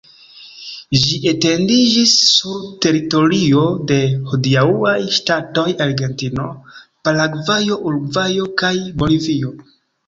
Ĝi etendiĝis sur teritorio de hodiaŭaj ŝtatoj Argentino, Paragvajo, Urugvajo kaj Bolivio.